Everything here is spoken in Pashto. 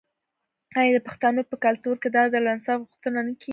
آیا د پښتنو په کلتور کې د عدل او انصاف غوښتنه نه کیږي؟